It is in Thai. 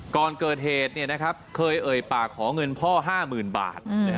ก่อนเกิดเหตุเคยเอ่ยปากขอเงินพ่อ๕๐๐๐บาท